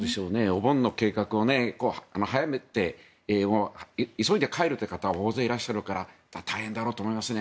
お盆の計画を早めて急いで帰る方も大勢いらっしゃるから大変だろうと思いますね。